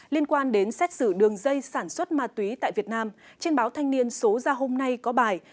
liên quan đến xét xử đường dây sản xuất ma túy tại việt nam trên báo thanh niên số ra hôm nay có bài